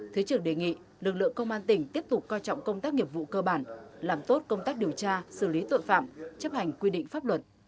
thứ trưởng đề nghị lực lượng công an tỉnh tiếp tục coi trọng công tác nghiệp vụ cơ bản làm tốt công tác điều tra xử lý tội phạm chấp hành quy định pháp luật